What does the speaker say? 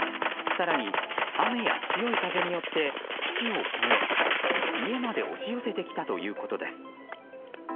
更に、雨や強い風によって岸を越え家まで押し寄せてきたということです。